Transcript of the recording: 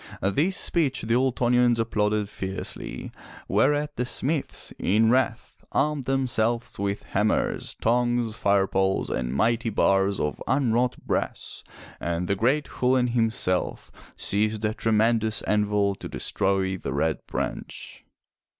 This speech the Ultonians applauded fiercely, whereat the smiths, in wrath, armed themselves with hammers, tongs, fire poles and mighty bars of unwrought brass, and the great Chulain himself seized a tremendous anvil to destroy the Red Branch.